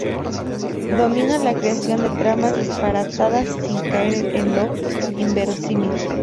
Domina la creación de tramas disparatadas sin caer en lo inverosímil.